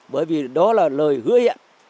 bởi vì đó là lời hứa hiện